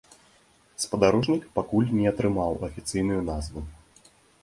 Спадарожнік пакуль не атрымаў афіцыйную назву.